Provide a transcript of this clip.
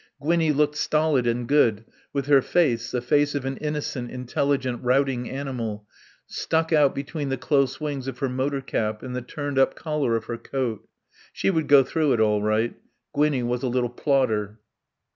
Gwinnie looked stolid and good, with her face, the face of an innocent, intelligent routing animal, stuck out between the close wings of her motor cap and the turned up collar of her coat. She would go through it all right. Gwinnie was a little plodder.